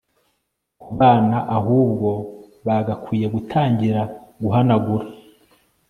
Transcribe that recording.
kubana ahubwo bagakwiye gutangira guhanagura